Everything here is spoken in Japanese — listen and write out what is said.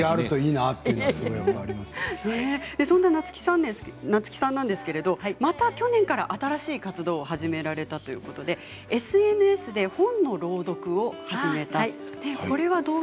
そんな夏木さんなんですけれどまた去年から新しい活動を始められたということでＳＮＳで本の朗読を始めたと。